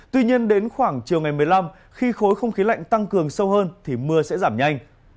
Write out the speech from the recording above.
tuy nhiên đến khoảng chiều ngày một mươi năm khi khối không khí lạnh tăng cường sâu hơn thì mưa sẽ giảm nhanh